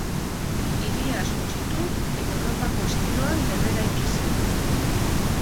Hiria suntsitu eta Europako estiloan berreraiki zen.